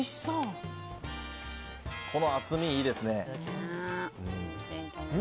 この厚み、いいですね。